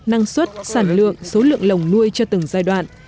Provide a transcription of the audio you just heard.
sản xuất sản lượng số lượng lồng nuôi cho từng giai đoạn